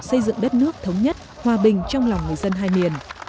xây dựng đất nước thống nhất hòa bình trong lòng người dân hai miền